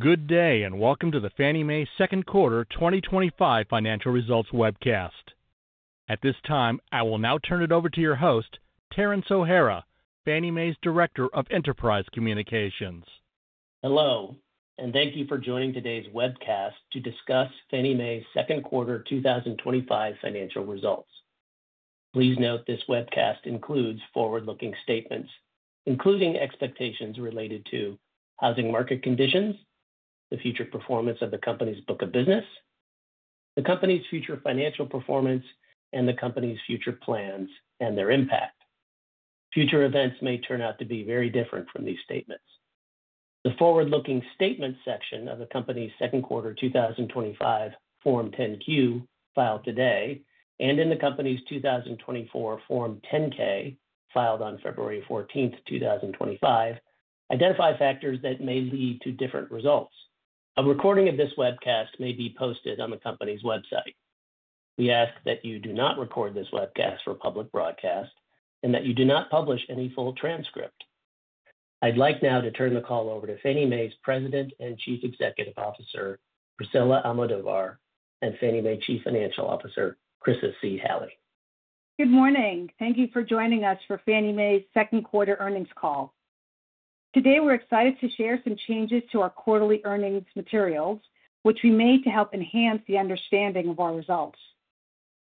Good day and welcome to the Fannie Mae Second Quarter 2025 Financial Results Webcast. At this time, I will now turn it over to your host, Terence O'Hara, Fannie Mae's Director of Enterprise Communications. Hello, and thank you for joining today's webcast to discuss Fannie Mae's Second Quarter 2025 financial results. Please note this webcast includes forward-looking statements, including expectations related to housing market conditions, the future performance of the company's book of business, the company's future financial performance, and the company's future plans and their impact. Future events may turn out to be very different from these statements. The forward-looking statement section of the company's Second Quarter 2025 Form 10Q, filed today, and in the company's 2024 Form 10K, filed on February 14, 2025, identify factors that may lead to different results. A recording of this webcast may be posted on the company's website. We ask that you do not record this webcast for public broadcast and that you do not publish any full transcript. I'd like now to turn the call over to Fannie Mae's President and Chief Executive Officer, Priscilla Almodovar, and Fannie Mae's Chief Financial Officer, Chryssa Halley. Good morning. Thank you for joining us for Fannie Mae's Second Quarter Earnings Call. Today, we're excited to share some changes to our quarterly earnings materials, which we made to help enhance the understanding of our results.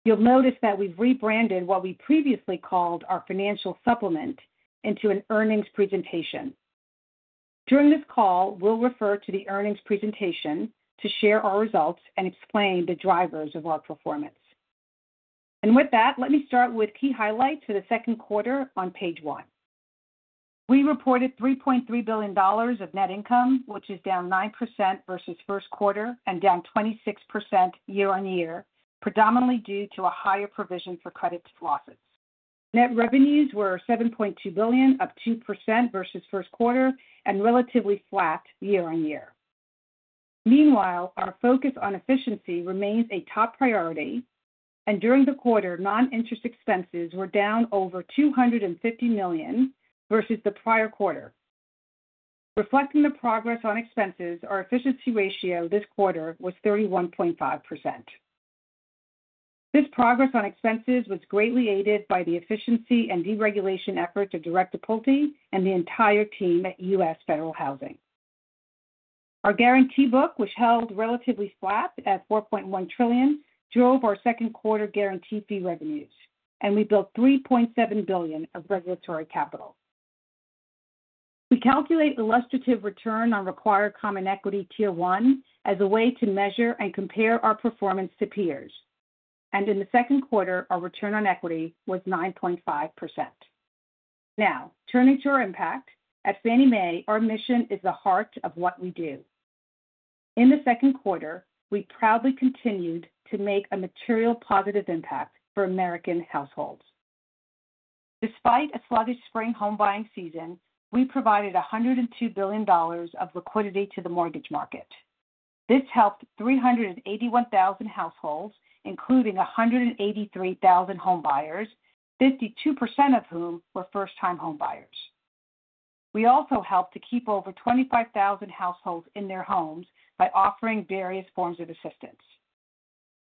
You'll notice that we've rebranded what we previously called our financial supplement into an earnings presentation. During this call, we'll refer to the earnings presentation to share our results and explain the drivers of our performance. With that, let me start with key highlights for the second quarter on page one. We reported $3.3 billion of net income, which is down 9% versus first quarter and down 26% year on year, predominantly due to a higher provision for credit losses. Net revenues were $7.2 billion, up 2% versus first quarter, and relatively flat year on year. Meanwhile, our focus on efficiency remains a top priority, and during the quarter, non-interest expenses were down over $250 million versus the prior quarter. Reflecting the progress on expenses, our efficiency ratio this quarter was 31.5%. This progress on expenses was greatly aided by the efficiency and deregulation efforts of Director Pulte and the entire team at U.S. Federal Housing. Our guarantee book, which held relatively flat at $4.1 trillion, drove our second quarter guarantee fee revenues, and we built $3.7 billion of regulatory capital. We calculate illustrative return on required common equity tier one as a way to measure and compare our performance to peers. In the second quarter, our return on equity was 9.5%. Now, turning to our impact, at Fannie Mae, our mission is the heart of what we do. In the second quarter, we proudly continued to make a material positive impact for American households. Despite a sluggish spring home buying season, we provided $102 billion of liquidity to the mortgage market. This helped 381,000 households, including 183,000 home buyers, 52% of whom were first-time home buyers. We also helped to keep over 25,000 households in their homes by offering various forms of assistance.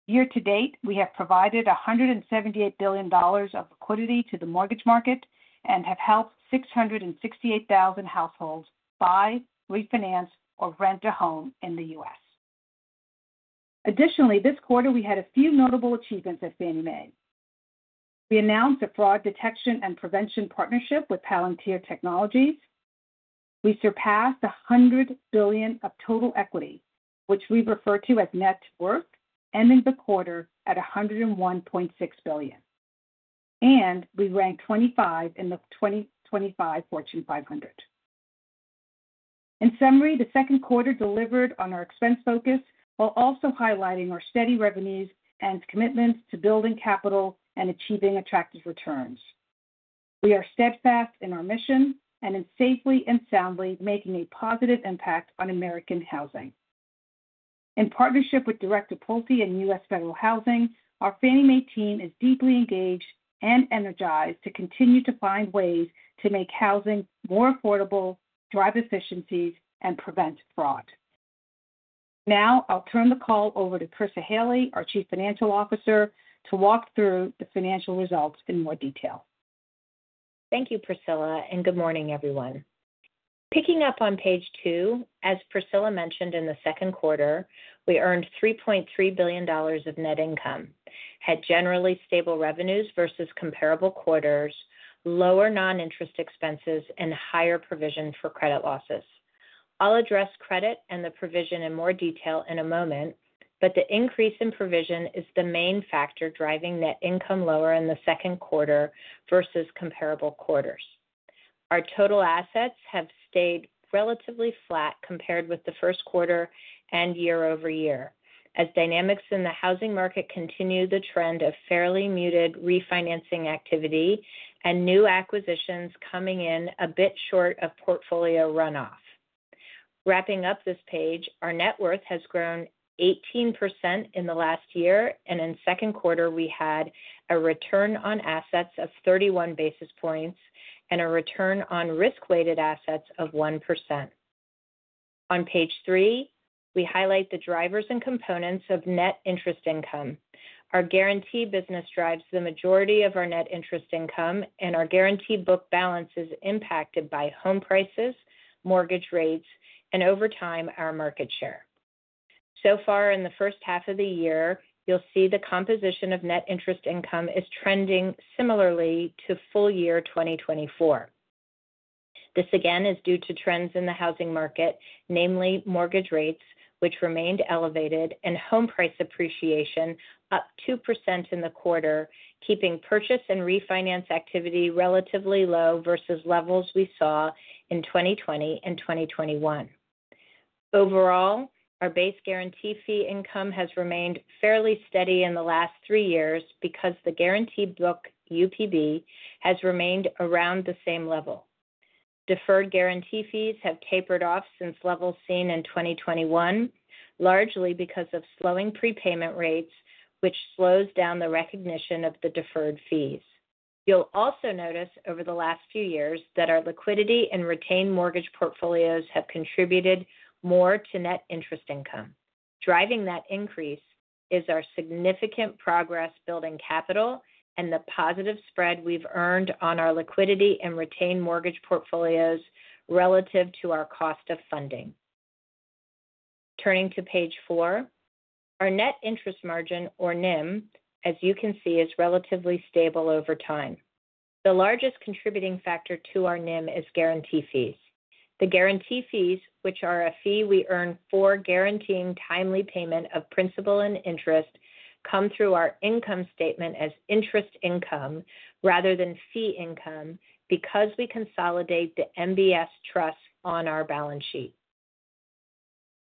Year to date, we have provided $178 billion of liquidity to the mortgage market and have helped 668,000 households buy, refinance, or rent a home in the U.S. Additionally, this quarter, we had a few notable achievements at Fannie Mae. We announced a fraud detection and prevention partnership with Palantir Technologies. We surpassed $100 billion of total equity, which we refer to as net worth, ending the quarter at $101.6 billion. We ranked 25th in the 2025 Fortune 500. In summary, the second quarter delivered on our expense focus while also highlighting our steady revenues and commitments to building capital and achieving attractive returns. We are steadfast in our mission and in safely and soundly making a positive impact on American housing. In partnership with Director Pulte and U.S. Federal Housing, our Fannie Mae team is deeply engaged and energized to continue to find ways to make housing more affordable, drive efficiencies, and prevent fraud. Now, I'll turn the call over to Chryssa Halley, our Chief Financial Officer, to walk through the financial results in more detail. Thank you, Priscilla, and good morning, everyone. Picking up on page two, as Priscilla mentioned in the second quarter, we earned $3.3 billion of net income, had generally stable revenues versus comparable quarters, lower non-interest expenses, and higher provision for credit losses. I'll address credit and the provision in more detail in a moment, but the increase in provision is the main factor driving net income lower in the second quarter versus comparable quarters. Our total assets have stayed relatively flat compared with the first quarter and year-over-year, as dynamics in the housing market continue the trend of fairly muted refinancing activity and new acquisitions coming in a bit short of portfolio runoff. Wrapping up this page, our net worth has grown 18% in the last year, and in second quarter, we had a return on assets of 31 basis points and a return on risk-weighted assets of 1%. On page three, we highlight the drivers and components of net interest income. Our guaranteed business drives the majority of our net interest income, and our guaranteed book balance is impacted by home prices, mortgage rates, and over time, our market share. So far, in the first half of the year, you'll see the composition of net interest income is trending similarly to full year 2024. This again is due to trends in the housing market, namely mortgage rates, which remained elevated, and home price appreciation up 2% in the quarter, keeping purchase and refinance activity relatively low versus levels we saw in 2020 and 2021. Overall, our base guarantee fee income has remained fairly steady in the last three years because the guaranteed book, UPB, has remained around the same level. Deferred guarantee fees have tapered off since levels seen in 2021, largely because of slowing prepayment rates, which slows down the recognition of the deferred fees. You'll also notice over the last few years that our liquidity and retained mortgage portfolios have contributed more to net interest income. Driving that increase is our significant progress building capital and the positive spread we've earned on our liquidity and retained mortgage portfolios relative to our cost of funding. Turning to page four. Our net interest margin, or NIM, as you can see, is relatively stable over time. The largest contributing factor to our NIM is guarantee fees. The guarantee fees, which are a fee we earn for guaranteeing timely payment of principal and interest, come through our income statement as interest income rather than fee income because we consolidate the MBS trust on our balance sheet.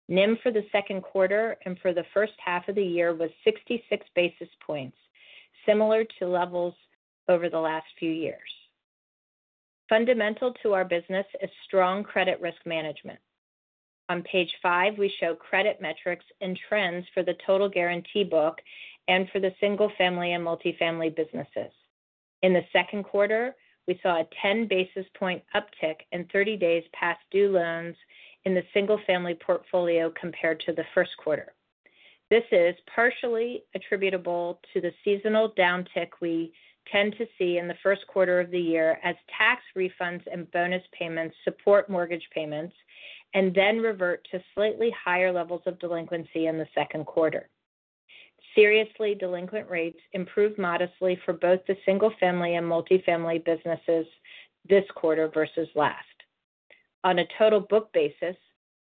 NIM for the second quarter and for the first half of the year was 66 basis points, similar to levels over the last few years. Fundamental to our business is strong credit risk management. On page five, we show credit metrics and trends for the total guarantee book and for the single-family and multifamily businesses. In the second quarter, we saw a 10 basis point uptick in 30 days past due loans in the single-family portfolio compared to the first quarter. This is partially attributable to the seasonal downtick we tend to see in the first quarter of the year as tax refunds and bonus payments support mortgage payments and then revert to slightly higher levels of delinquency in the second quarter. Seriously delinquent rates improved modestly for both the single-family and multifamily businesses this quarter versus last. On a total book basis,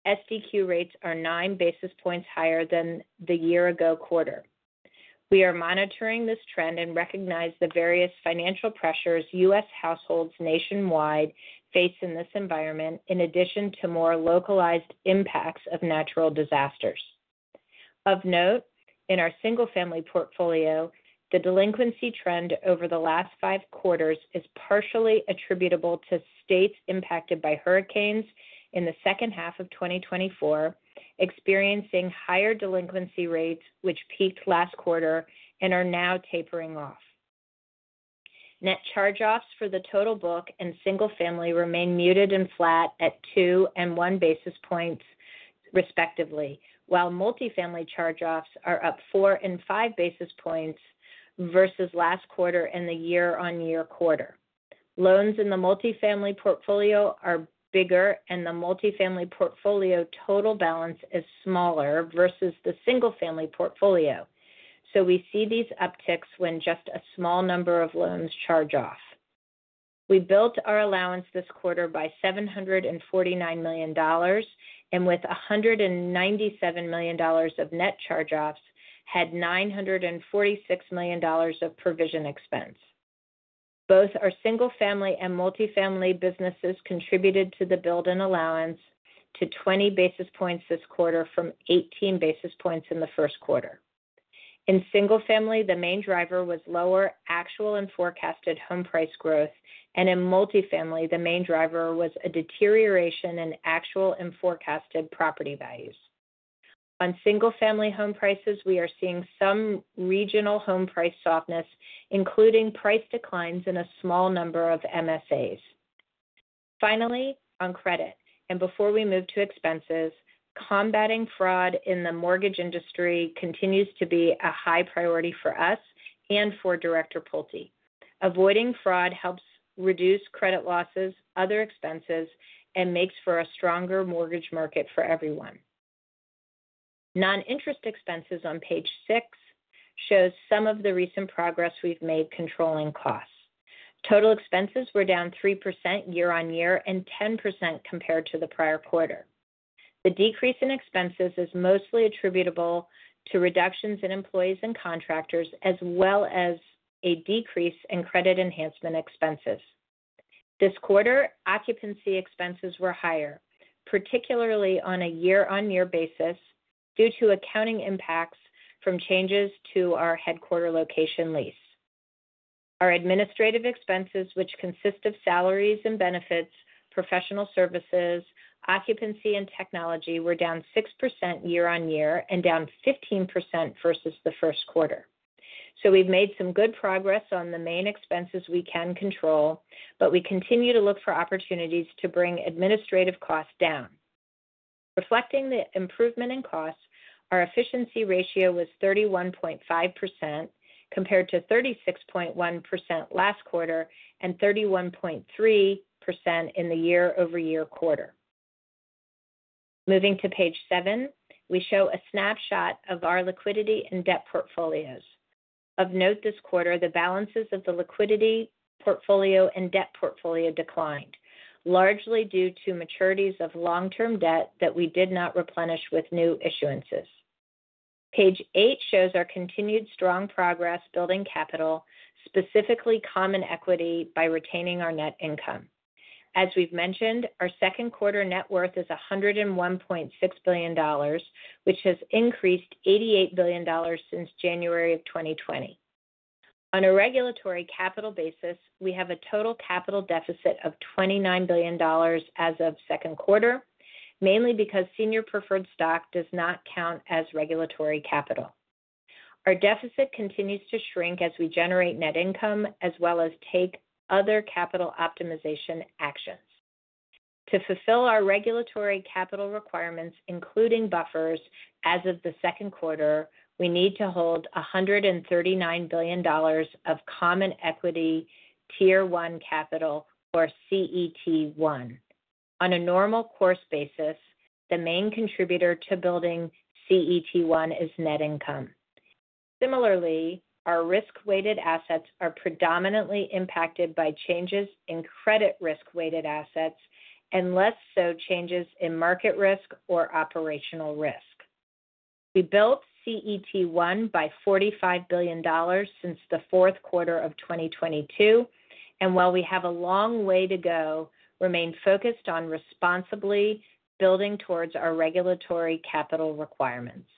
SDQ rates are nine basis points higher than the year-ago quarter. We are monitoring this trend and recognize the various financial pressures U.S. households nationwide face in this environment, in addition to more localized impacts of natural disasters. Of note, in our single-family portfolio, the delinquency trend over the last five quarters is partially attributable to states impacted by hurricanes in the second half of 2024, experiencing higher delinquency rates, which peaked last quarter and are now tapering off. Net charge-offs for the total book and single-family remain muted and flat at two and one basis points respectively, while multifamily charge-offs are up four and five basis points versus last quarter and the year-on-year quarter. Loans in the multifamily portfolio are bigger, and the multifamily portfolio total balance is smaller versus the single-family portfolio. So we see these upticks when just a small number of loans charge off. We built our allowance this quarter by $749 million, and with $197 million of net charge-offs, had $946 million of provision expense. Both our single-family and multifamily businesses contributed to the building allowance to 20 basis points this quarter from 18 basis points in the first quarter. In single-family, the main driver was lower actual and forecasted home price growth, and in multifamily, the main driver was a deterioration in actual and forecasted property values. On single-family home prices, we are seeing some regional home price softness, including price declines in a small number of MSAs. Finally, on credit, and before we move to expenses, combating fraud in the mortgage industry continues to be a high priority for us and for Director Pulte. Avoiding fraud helps reduce credit losses, other expenses, and makes for a stronger mortgage market for everyone. Non-interest expenses on page six show some of the recent progress we've made controlling costs. Total expenses were down 3% year-on-year and 10% compared to the prior quarter. The decrease in expenses is mostly attributable to reductions in employees and contractors, as well as a decrease in credit enhancement expenses. This quarter, occupancy expenses were higher, particularly on a year-on-year basis due to accounting impacts from changes to our headquarter location lease. Our administrative expenses, which consist of salaries and benefits, professional services, occupancy, and technology, were down 6% year-on-year and down 15% versus the first quarter. We have made some good progress on the main expenses we can control, but we continue to look for opportunities to bring administrative costs down. Reflecting the improvement in costs, our efficiency ratio was 31.5% compared to 36.1% last quarter and 31.3% in the year-over-year quarter. Moving to page seven, we show a snapshot of our liquidity and debt portfolios. Of note, this quarter, the balances of the liquidity portfolio and debt portfolio declined, largely due to maturities of long-term debt that we did not replenish with new issuances. Page eight shows our continued strong progress building capital, specifically common equity, by retaining our net income. As we've mentioned, our second quarter net worth is $101.6 billion, which has increased $88 billion since January of 2020. On a regulatory capital basis, we have a total capital deficit of $29 billion as of second quarter, mainly because senior preferred stock does not count as regulatory capital. Our deficit continues to shrink as we generate net income, as well as take other capital optimization actions. To fulfill our regulatory capital requirements, including buffers, as of the second quarter, we need to hold $139 billion of common equity tier one capital, or CET1. On a normal course basis, the main contributor to building CET1 is net income. Similarly, our risk-weighted assets are predominantly impacted by changes in credit risk-weighted assets and less so changes in market risk or operational risk. We built CET1 by $45 billion since the fourth quarter of 2022, and while we have a long way to go, we remain focused on responsibly building towards our regulatory capital requirements.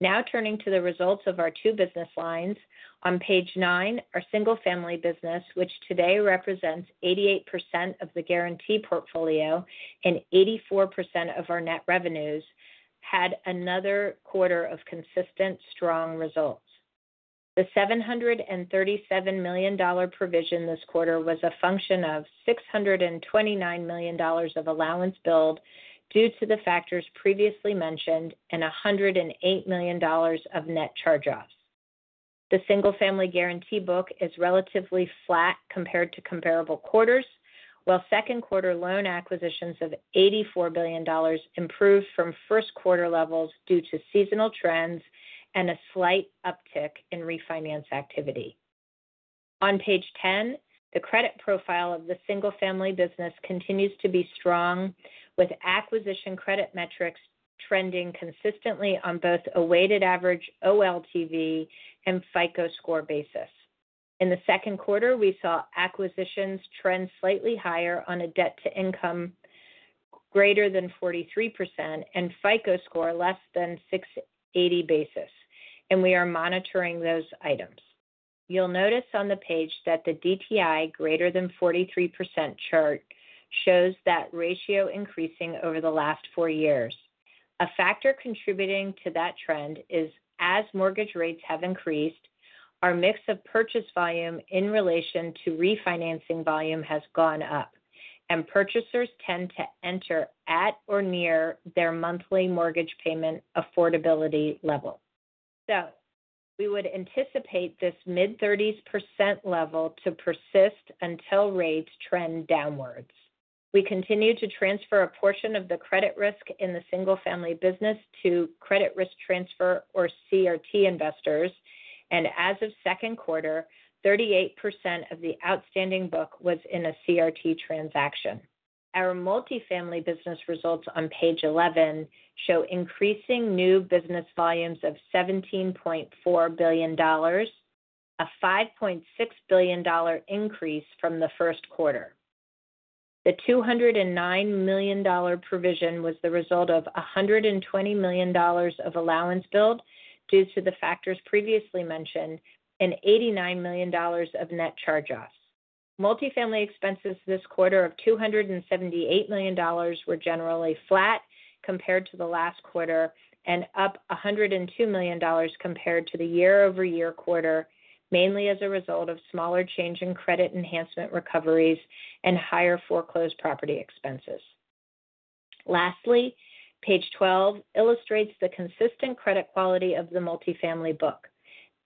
Now turning to the results of our two business lines, on page nine, our single-family business, which today represents 88% of the guarantee portfolio and 84% of our net revenues, had another quarter of consistent strong results. The $737 million provision this quarter was a function of $629 million of allowance build due to the factors previously mentioned and $108 million of net charge-offs. The single-family guarantee book is relatively flat compared to comparable quarters, while second quarter loan acquisitions of $84 billion improved from first quarter levels due to seasonal trends and a slight uptick in refinance activity. On page 10, the credit profile of the single-family business continues to be strong, with acquisition credit metrics trending consistently on both a weighted average OLTV and FICO score basis. In the second quarter, we saw acquisitions trend slightly higher on a debt-to-income. Greater than 43% and FICO score less than 680 basis, and we are monitoring those items. You'll notice on the page that the DTI greater than 43% chart shows that ratio increasing over the last four years. A factor contributing to that trend is, as mortgage rates have increased, our mix of purchase volume in relation to refinancing volume has gone up, and purchasers tend to enter at or near their monthly mortgage payment affordability level. We would anticipate this mid-30% level to persist until rates trend downwards. We continue to transfer a portion of the credit risk in the single-family business to credit risk transfer, or CRT, investors, and as of second quarter, 38% of the outstanding book was in a CRT transaction. Our multifamily business results on page 11 show increasing new business volumes of $17.4 billion. A $5.6 billion increase from the first quarter. The $209 million provision was the result of $120 million of allowance build due to the factors previously mentioned and $89 million of net charge-offs. Multifamily expenses this quarter of $278 million were generally flat compared to the last quarter and up $102 million compared to the year-over-year quarter, mainly as a result of smaller change in credit enhancement recoveries and higher foreclosed property expenses. Lastly, page 12 illustrates the consistent credit quality of the multifamily book.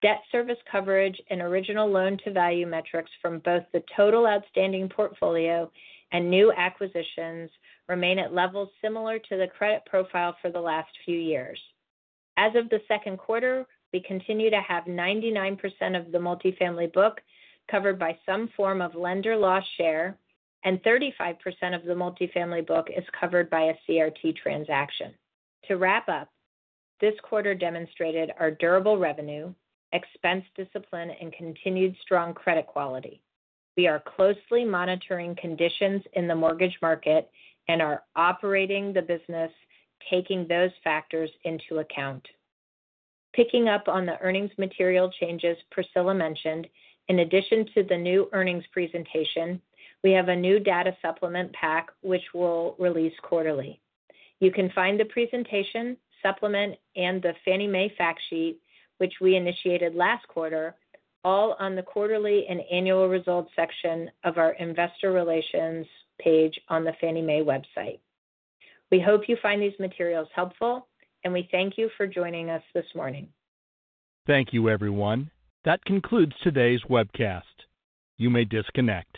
Debt service coverage and original loan-to-value metrics from both the total outstanding portfolio and new acquisitions remain at levels similar to the credit profile for the last few years. As of the second quarter, we continue to have 99% of the multifamily book covered by some form of lender loss share, and 35% of the multifamily book is covered by a CRT transaction. To wrap up, this quarter demonstrated our durable revenue, expense discipline, and continued strong credit quality. We are closely monitoring conditions in the mortgage market and are operating the business, taking those factors into account. Picking up on the earnings material changes Priscilla mentioned, in addition to the new earnings presentation, we have a new data supplement pack, which we'll release quarterly. You can find the presentation, supplement, and the Fannie Mae fact sheet, which we initiated last quarter, all on the quarterly and annual results section of our investor relations page on the Fannie Mae website. We hope you find these materials helpful, and we thank you for joining us this morning. Thank you, everyone. That concludes today's webcast. You may disconnect.